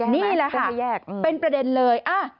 นี่แหละค่ะเป็นประเด็นเลย